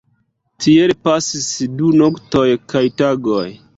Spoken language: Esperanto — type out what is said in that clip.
Tiel pasis du noktoj kaj tagoj.